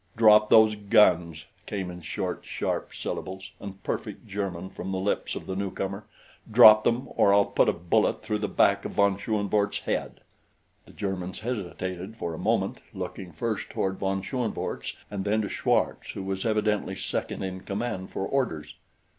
"Drop those guns!" came in short, sharp syllables and perfect German from the lips of the newcomer. "Drop them or I'll put a bullet through the back of von Schoenvorts' head." The Germans hesitated for a moment, looking first toward von Schoenvorts and then to Schwartz, who was evidently second in command, for orders.